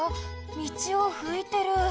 みちをふいてる。